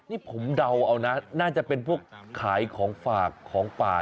นี่ผมเดาเอานะน่าจะเป็นพวกขายของฝากของป่า